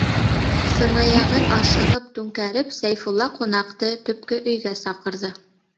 Сынаяғын ашығып түңкәреп Сәйфулла ҡунаҡты төпкө өйгә саҡырҙы.